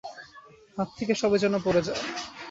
হাত থেকে সবই যেন পড়ে পড়ে যায়।